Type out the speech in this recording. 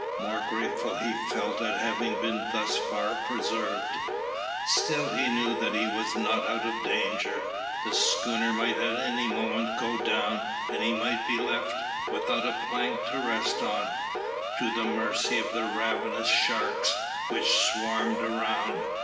Most grateful he felt at having been thus far preserved. Still he knew that he was not out of danger. The schooner might any moment go down, and he might be left, without a plank to rest on, to the mercy of the ravenous sharks which swarmed around.